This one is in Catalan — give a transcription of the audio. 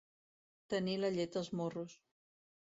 Tenir la llet als morros.